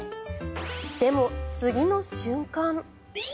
でも、次の瞬間。